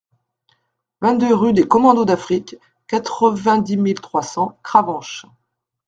vingt-deux rue des Commandos d'Afrique, quatre-vingt-dix mille trois cents Cravanche